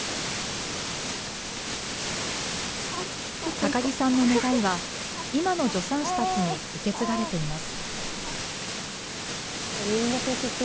高木さんの願いは今の助産師たちに受け継がれています。